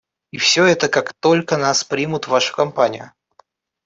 И все это − как только нас примут в вашу компанию.